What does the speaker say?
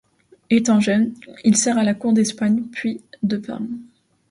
Étant jeune, il sert à la Cour d'Espagne puis de Parme.